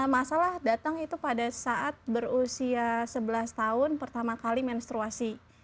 masalah datang itu pada saat berusia sebelas tahun pertama kali menstruasi